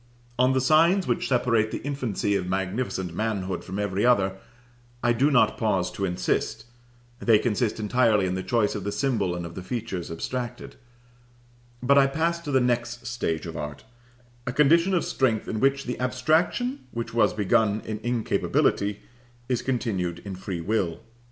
On the signs which separate the infancy of magnificent manhood from every other, I do not pause to insist (they consist entirely in the choice of the symbol and of the features abstracted); but I pass to the next stage of art, a condition of strength in which the abstraction which was begun in incapability is continued in free will.